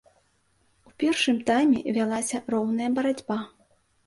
У першым тайме вялася роўная барацьба.